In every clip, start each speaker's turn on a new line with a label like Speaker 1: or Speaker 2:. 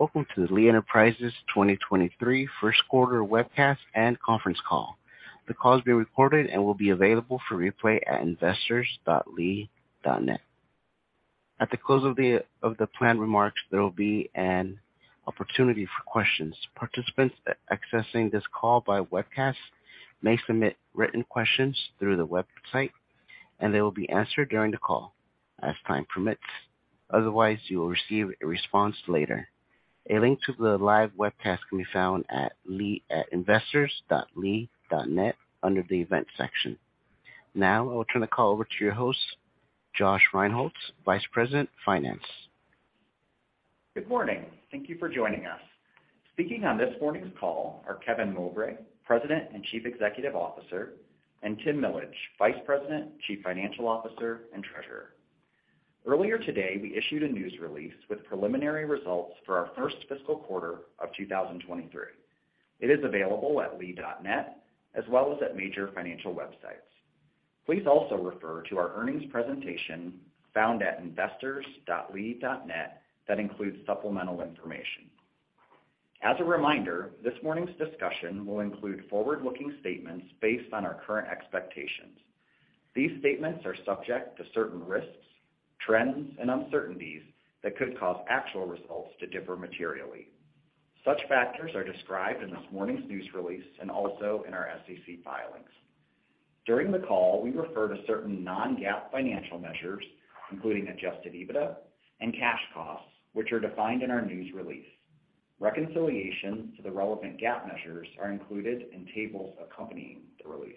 Speaker 1: Welcome to Lee Enterprises 2023 first quarter webcast and conference call. The call is being recorded and will be available for replay at investors.lee.net. At the close of the planned remarks, there will be an opportunity for questions. Participants accessing this call by webcast may submit written questions through the website, and they will be answered during the call as time permits. Otherwise, you will receive a response later. A link to the live webcast can be found at investors.lee.net under the Events section. Now, I will turn the call over to your host, Josh Rinehults, Vice President, Finance.
Speaker 2: Good morning. Thank you for joining us. Speaking on this morning's call are Kevin Mowbray, President and Chief Executive Officer, and Tim Millage, Vice President, Chief Financial Officer, and Treasurer. Earlier today, we issued a news release with preliminary results for our first fiscal quarter of 2023. It is available at lee.net as well as at major financial websites. Please also refer to our earnings presentation found at investors.lee.net that includes supplemental information. As a reminder, this morning's discussion will include forward-looking statements based on our current expectations. These statements are subject to certain risks, trends, and uncertainties that could cause actual results to differ materially. Such factors are described in this morning's news release and also in our SEC filings. During the call, we refer to certain non-GAAP financial measures, including adjusted EBITDA and cash costs, which are defined in our news release. Reconciliation to the relevant GAAP measures are included in tables accompanying the release.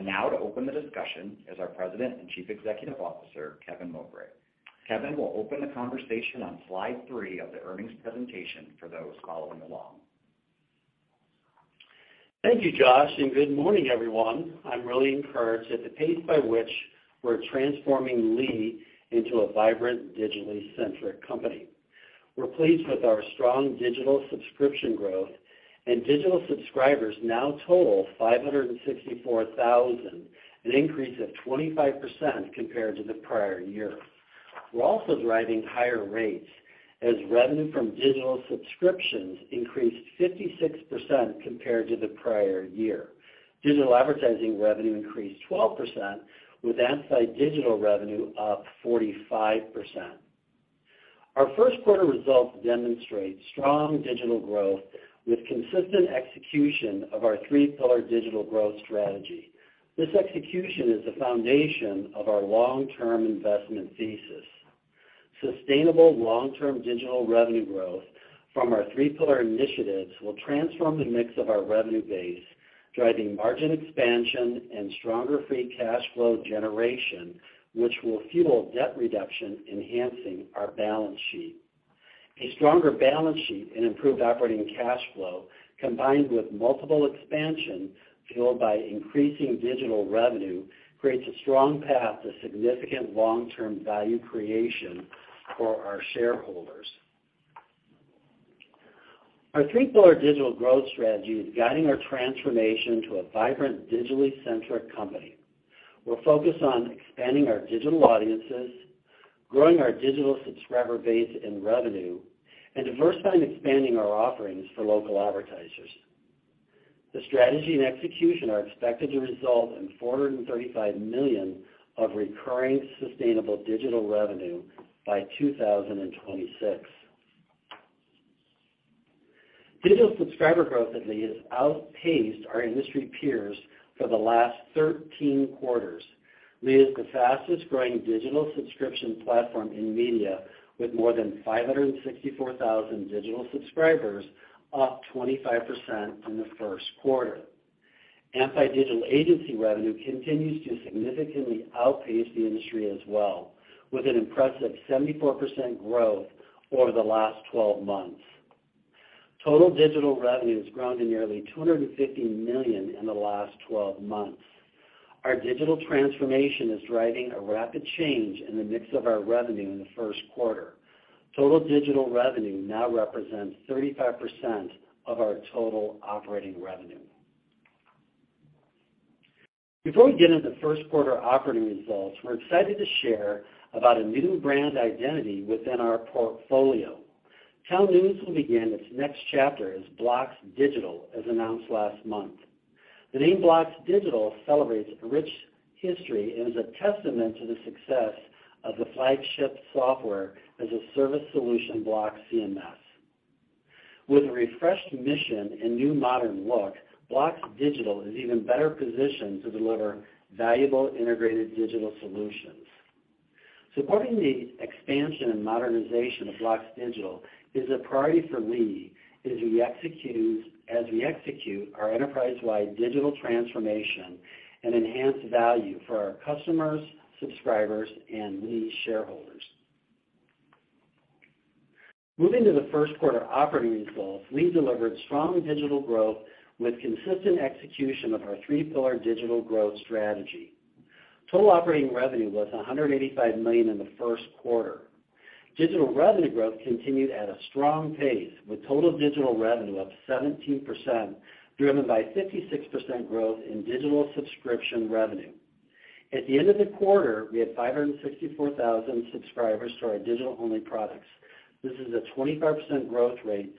Speaker 2: Now to open the discussion is our President and Chief Executive Officer, Kevin Mowbray. Kevin will open the conversation on slide three of the earnings presentation for those following along.
Speaker 3: Thank you, Josh. Good morning, everyone. I'm really encouraged at the pace by which we're transforming Lee into a vibrant, digitally-centric company. We're pleased with our strong digital subscription growth and digital subscribers now total 564,000, an increase of 25% compared to the prior year. We're also driving higher rates as revenue from digital subscriptions increased 56% compared to the prior year. Digital advertising revenue increased 12% with Amplified Digital revenue up 45%. Our first quarter results demonstrate strong digital growth with consistent execution of our three-pillar digital growth strategy. This execution is the foundation of our long-term investment thesis. Sustainable long-term digital revenue growth from our three-pillar initiatives will transform the mix of our revenue base, driving margin expansion and stronger free cash flow generation, which will fuel debt reduction, enhancing our balance sheet. A stronger balance sheet and improved operating cash flow, combined with multiple expansion fueled by increasing digital revenue, creates a strong path to significant long-term value creation for our shareholders. Our three-pillar digital growth strategy is guiding our transformation to a vibrant, digitally-centric company. We're focused on expanding our digital audiences, growing our digital subscriber base and revenue, diversifying and expanding our offerings for local advertisers. The strategy and execution are expected to result in $435 million of recurring sustainable digital revenue by 2026. Digital subscriber growth at Lee has outpaced our industry peers for the last 13 quarters. Lee is the fastest-growing digital subscription platform in media, with more than 564,000 digital subscribers, up 25% from the first quarter. Amplified Digital agency revenue continues to significantly outpace the industry as well, with an impressive 74% growth over the last 12 months. Total digital revenue has grown to nearly $250 million in the last 12 months. Our digital transformation is driving a rapid change in the mix of our revenue in the first quarter. Total digital revenue now represents 35% of our total operating revenue. Before we get into the first quarter operating results, we're excited to share about a new brand identity within our portfolio. TownNews will begin its next chapter as BLOX Digital, as announced last month. The name BLOX Digital celebrates a rich history and is a testament to the success of the flagship software as a service solution, BLOX CMS. With a refreshed mission and new modern look, BLOX Digital is even better positioned to deliver valuable integrated digital solutions. Supporting the expansion and modernization of BLOX Digital is a priority for Lee as we execute our enterprise-wide digital transformation and enhance value for our customers, subscribers, and Lee shareholders. Moving to the first quarter operating results, Lee delivered strong digital growth with consistent execution of our three-pillar digital growth strategy. Total operating revenue was $185 million in the first quarter. Digital revenue growth continued at a strong pace, with total digital revenue up 17%, driven by 56% growth in digital subscription revenue. At the end of the quarter, we had 564,000 subscribers to our digital-only products. This is a 25% growth rate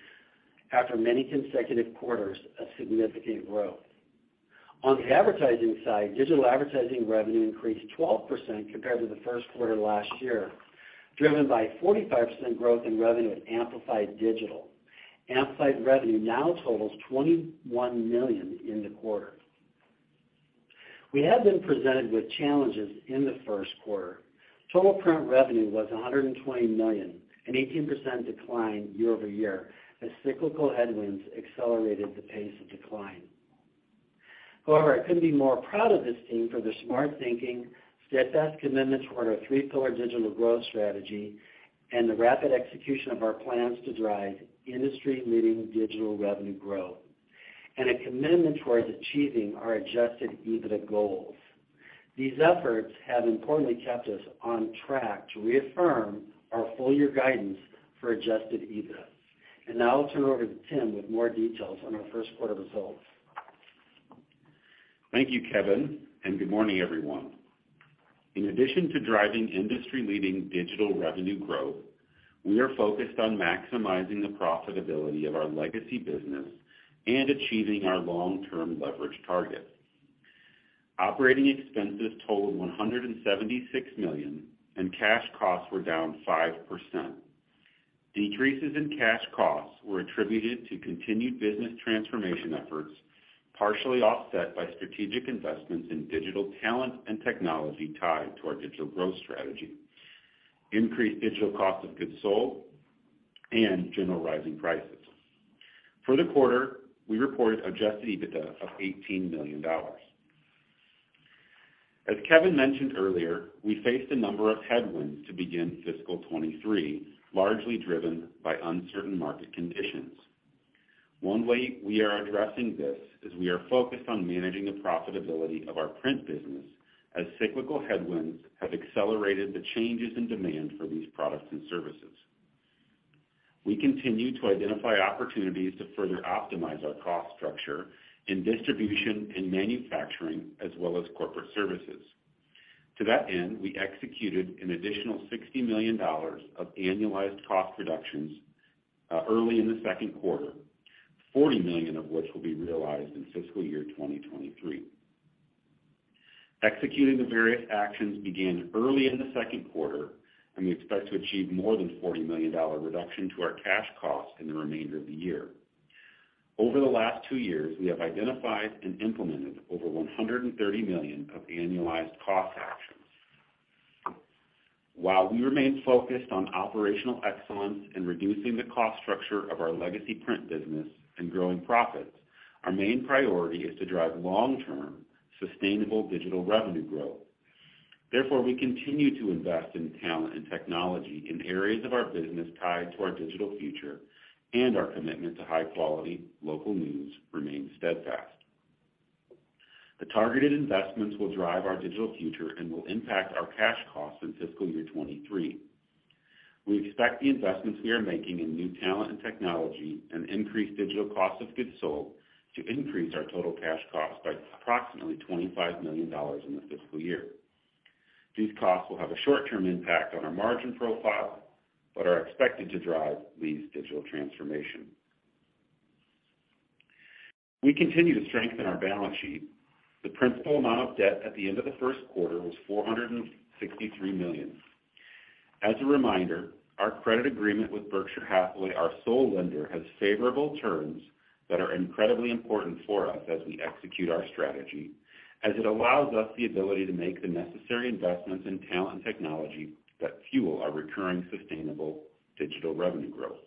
Speaker 3: after many consecutive quarters of significant growth. On the advertising side, digital advertising revenue increased 12% compared to the first quarter last year, driven by 45% growth in revenue at Amplified Digital. Amplified revenue now totals $21 million in the quarter. We have been presented with challenges in the first quarter. Total print revenue was $120 million, an 18% decline year-over-year as cyclical headwinds accelerated the pace of decline. I couldn't be more proud of this team for their smart thinking, steadfast commitment toward our three-pillar digital growth strategy, and the rapid execution of our plans to drive industry-leading digital revenue growth, and a commitment towards achieving our adjusted EBITDA goals. These efforts have importantly kept us on track to reaffirm our full year guidance for adjusted EBITDA. Now I'll turn it over to Tim with more details on our first quarter results.
Speaker 4: Thank you, Kevin, and good morning, everyone. In addition to driving industry-leading digital revenue growth, we are focused on maximizing the profitability of our legacy business and achieving our long-term leverage targets. Operating expenses totaled $176 million, and cash costs were down 5%. Decreases in cash costs were attributed to continued business transformation efforts, partially offset by strategic investments in digital talent and technology tied to our digital growth strategy, increased digital cost of goods sold, and general rising prices. For the quarter, we reported adjusted EBITDA of $18 million. As Kevin mentioned earlier, we faced a number of headwinds to begin fiscal 2023, largely driven by uncertain market conditions. One way we are addressing this is we are focused on managing the profitability of our print business as cyclical headwinds have accelerated the changes in demand for these products and services. We continue to identify opportunities to further optimize our cost structure in distribution and manufacturing, as well as corporate services. To that end, we executed an additional $60 million of annualized cost reductions, early in the second quarter, $40 million of which will be realized in fiscal year 2023. Executing the various actions began early in the second quarter, we expect to achieve more than $40 million reduction to our cash cost in the remainder of the year. Over the last two years, we have identified and implemented over $130 million of annualized cost actions. While we remain focused on operational excellence and reducing the cost structure of our legacy print business and growing profits, our main priority is to drive long-term, sustainable digital revenue growth. We continue to invest in talent and technology in areas of our business tied to our digital future, and our commitment to high-quality local news remains steadfast. The targeted investments will drive our digital future and will impact our cash costs in fiscal year 2023. We expect the investments we are making in new talent and technology and increased digital cost of goods sold to increase our total cash costs by approximately $25 million in the fiscal year. These costs will have a short-term impact on our margin profile but are expected to drive Lee's digital transformation. We continue to strengthen our balance sheet. The principal amount of debt at the end of the first quarter was $463 million. As a reminder, our credit agreement with Berkshire Hathaway, our sole lender, has favorable terms that are incredibly important for us as we execute our strategy, as it allows us the ability to make the necessary investments in talent and technology that fuel our recurring sustainable digital revenue growth.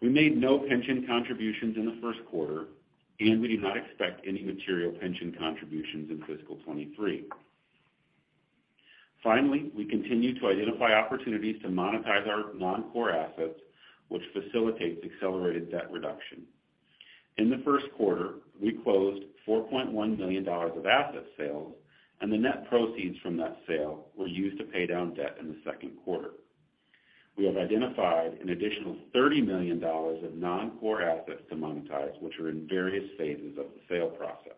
Speaker 4: We made no pension contributions in the first quarter. We do not expect any material pension contributions in fiscal 23. Finally, we continue to identify opportunities to monetize our non-core assets, which facilitates accelerated debt reduction. In the first quarter, we closed $4.1 million of asset sales. The net proceeds from that sale were used to pay down debt in the second quarter. We have identified an additional $30 million of non-core assets to monetize, which are in various phases of the sale process.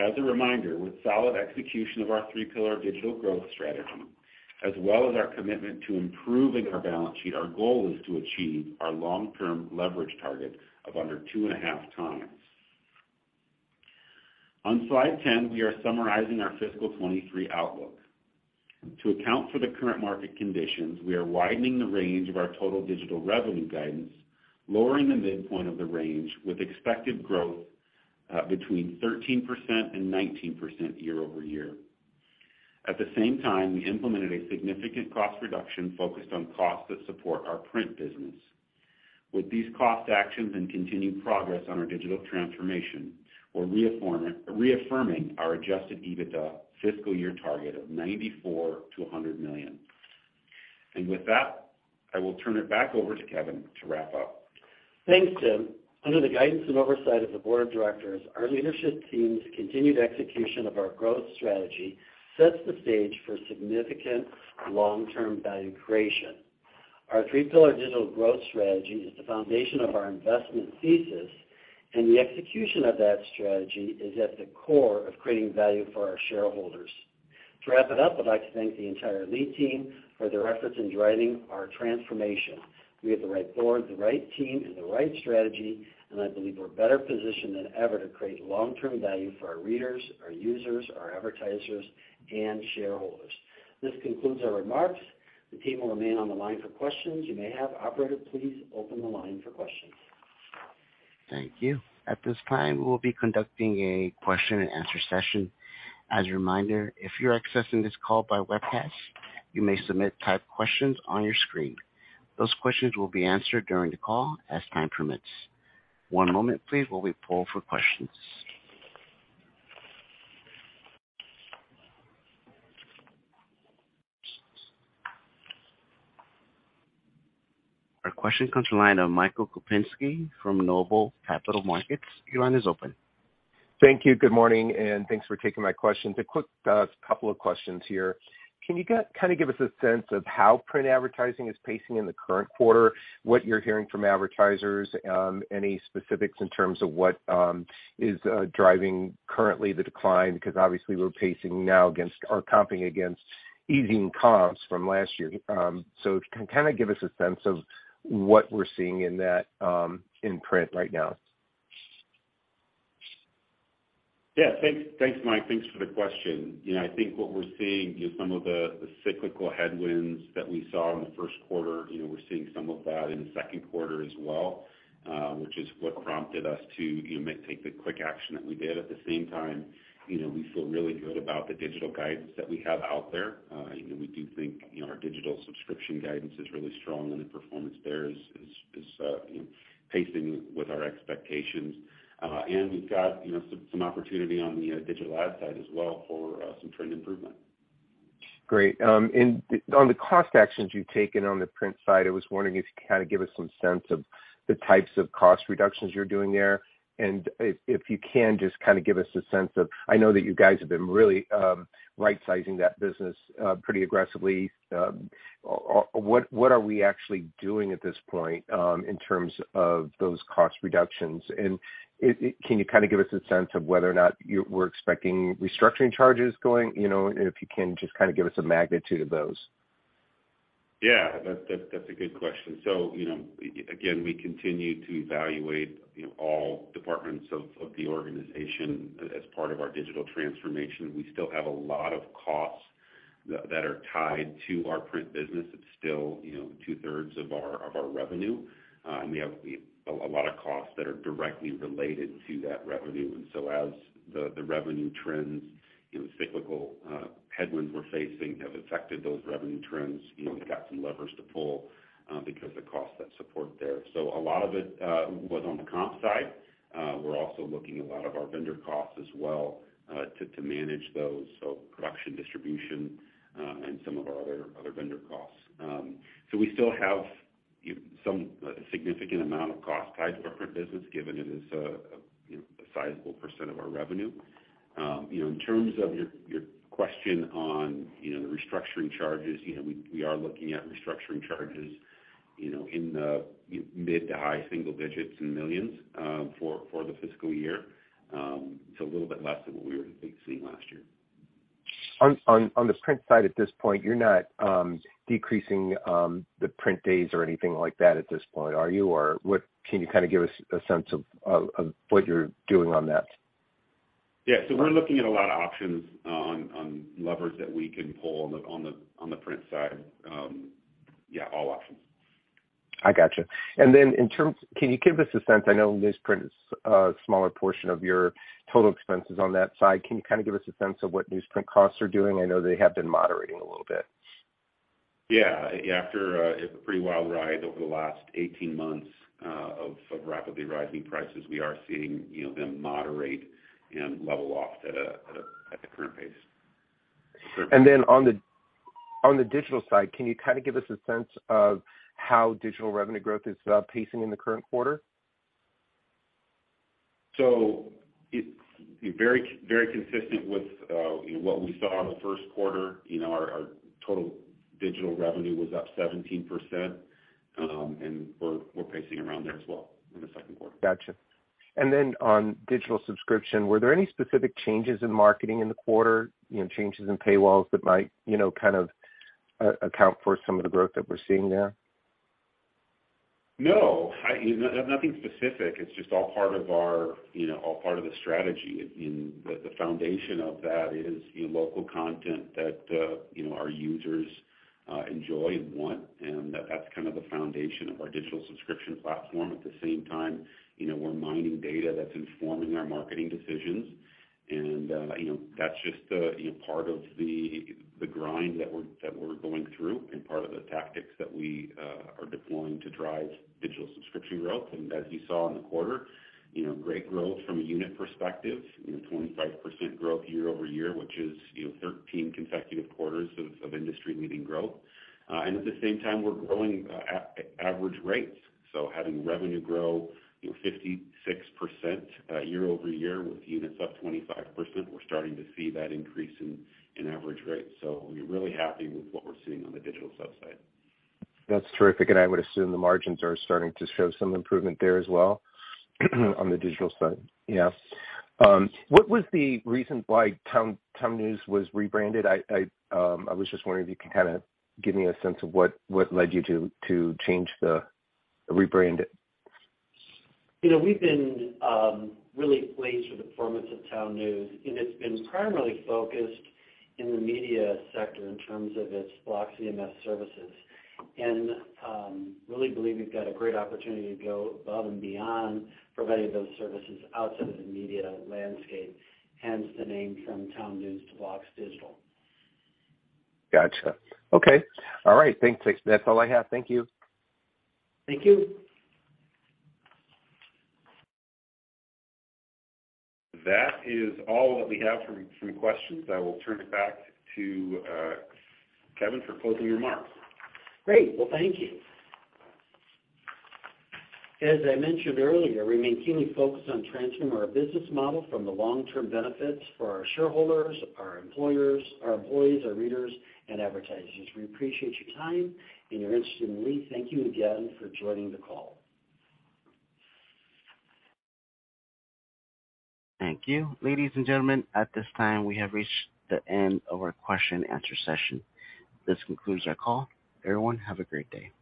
Speaker 4: As a reminder, with solid execution of our three-pillar digital growth strategy as well as our commitment to improving our balance sheet, our goal is to achieve our long-term leverage target of under 2.5x. On slide 10, we are summarizing our fiscal 23 outlook. To account for the current market conditions, we are widening the range of our total digital revenue guidance, lowering the midpoint of the range with expected growth between 13% and 19% year-over-year. At the same time, we implemented a significant cost reduction focused on costs that support our print business. With these cost actions and continued progress on our digital transformation, we're reaffirming our adjusted EBITDA fiscal year target of $94 million-$100 million. With that, I will turn it back over to Kevin to wrap up.
Speaker 3: Thanks, Tim. Under the guidance and oversight of the board of directors, our leadership team's continued execution of our growth strategy sets the stage for significant long-term value creation. Our three-pillar digital growth strategy is the foundation of our investment thesis, the execution of that strategy is at the core of creating value for our shareholders. To wrap it up, I'd like to thank the entire Lee team for their efforts in driving our transformation. We have the right board, the right team, and the right strategy, I believe we're better positioned than ever to create long-term value for our readers, our users, our advertisers, and shareholders. This concludes our remarks. The team will remain on the line for questions you may have. Operator, please open the line for questions.
Speaker 1: Thank you. At this time, we will be conducting a question and answer session. As a reminder, if you're accessing this call by webcast, you may submit typed questions on your screen. Those questions will be answered during the call as time permits. One moment please, while we poll for questions. Our question comes the line of Michael Kupinski from Noble Capital Markets. Your line is open.
Speaker 5: Thank you. Good morning, and thanks for taking my questions. A quick couple of questions here. Can you kind of give us a sense of how print advertising is pacing in the current quarter, what you're hearing from advertisers, any specifics in terms of what is driving currently the decline? Obviously we're pacing now against or comping against easing comps from last year. Kind of give us a sense of what we're seeing in that in print right now.
Speaker 4: Yeah, thanks. Thanks, Mike. Thanks for the question. You know, I think what we're seeing is some of the cyclical headwinds that we saw in the first quarter. You know, we're seeing some of that in the second quarter as well, which is what prompted us to, you know, take the quick action that we did. At the same time, you know, we feel really good about the digital guidance that we have out there. You know, we do think, you know, our digital subscription guidance is really strong and the performance there is, you know, pacing with our expectations. We've got, you know, some opportunity on the digital ad side as well for some trend improvement.
Speaker 5: Great. On the cost actions you've taken on the print side, I was wondering if you could kind of give us some sense of the types of cost reductions you're doing there. If you can, just kind of give us a sense of... I know that you guys have been really rightsizing that business pretty aggressively. What are we actually doing at this point, in terms of those cost reductions? Can you kind of give us a sense of whether or not we're expecting restructuring charges going, you know, and if you can just kind of give us a magnitude of those?
Speaker 4: Yeah. That's a good question. You know, again, we continue to evaluate, you know, all departments of the organization as part of our digital transformation. We still have a lot of costs that are tied to our print business. It's still, you know, 2/3 of our revenue. And we have a lot of costs that are directly related to that revenue. As the revenue trends, you know, cyclical headwinds we're facing have affected those revenue trends, you know, we've got some levers to pull because the costs that support there. A lot of it was on the comp side. We're also looking a lot of our vendor costs as well to manage those, so production, distribution, and some of our other vendor costs. We still have some significant amount of cost tied to our print business, given it is a, you know, a sizable % of our revenue. You know, in terms of your question on, you know, the restructuring charges, you know, we are looking at restructuring charges, you know, in the mid to high single digits and millions for the fiscal year. A little bit less than what we were seeing last year.
Speaker 5: On the print side at this point, you're not decreasing the print days or anything like that at this point, are you? Can you kind of give us a sense of what you're doing on that?
Speaker 4: Yeah. We're looking at a lot of options on levers that we can pull on the print side. Yeah, all options.
Speaker 5: I gotcha. In terms, can you give us a sense, I know newsprint is a smaller portion of your total expenses on that side, can you kind of give us a sense of what newsprint costs are doing? I know they have been moderating a little bit.
Speaker 4: Yeah. After, a pretty wild ride over the last 18 months, of rapidly rising prices, we are seeing, you know, them moderate and level off at the current pace.
Speaker 5: On the digital side, can you kind of give us a sense of how digital revenue growth is pacing in the current quarter?
Speaker 4: It's very, very consistent with, you know, what we saw in the first quarter. You know, our total digital revenue was up 17%. We're pacing around there as well in the second quarter.
Speaker 5: Gotcha. Then on digital subscription, were there any specific changes in marketing in the quarter, you know, changes in paywalls that might, you know, kind of account for some of the growth that we're seeing there?
Speaker 4: No. Nothing specific. It's just all part of our, you know, all part of the strategy. The, the foundation of that is, you know, local content that, you know, our users enjoy and want. That's kind of the foundation of our digital subscription platform. At the same time, you know, we're mining data that's informing our marketing decisions. You know, that's just, you know, part of the grind that we're going through and part of the tactics that we are deploying to drive digital subscription growth. As you saw in the quarter, you know, great growth from a unit perspective. You know, 25% growth year-over-year, which is, you know, 13 consecutive quarters of industry-leading growth. At the same time, we're growing average rates. Having revenue grow, you know, 56% year-over-year with units up 25%, we're starting to see that increase in average rates. We're really happy with what we're seeing on the digital sub site.
Speaker 5: That's terrific. I would assume the margins are starting to show some improvement there as well on the digital side. Yeah. What was the reason why Town News was rebranded? I was just wondering if you could kind of give me a sense of what led you to rebrand it.
Speaker 3: You know, we've been really pleased with the performance of TownNews. It's been primarily focused in the media sector in terms of its BLOX CMS services. Really believe we've got a great opportunity to go above and beyond providing those services outside of the media landscape, hence the name from TownNews to BLOX Digital.
Speaker 5: Gotcha. Okay. All right. Thanks. That's all I have. Thank you.
Speaker 3: Thank you.
Speaker 4: That is all that we have from questions. I will turn it back to Kevin for closing remarks.
Speaker 3: Great. Well, thank you. As I mentioned earlier, we remain keenly focused on transforming our business model from the long-term benefits for our shareholders, our employers, our employees, our readers, and advertisers. We appreciate your time and your interest in Lee. Thank you again for joining the call.
Speaker 1: Thank you. Ladies and gentlemen, at this time, we have reached the end of our question and answer session. This concludes our call. Everyone, have a great day.